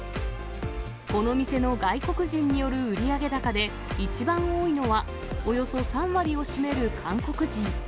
この店の外国人による売り上げ高で、一番多いのは、およそ３割を占める韓国人。